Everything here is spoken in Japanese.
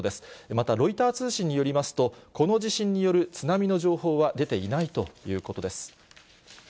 またロイター通信によりますと、この地震による津波の情報は出ていないということです。